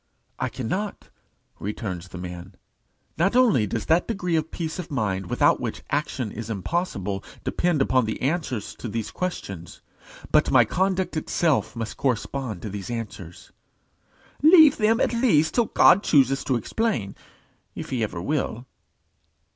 "I cannot," returns the man. "Not only does that degree of peace of mind without which action is impossible, depend upon the answers to these questions, but my conduct itself must correspond to these answers." "Leave them at least till God chooses to explain, if he ever will."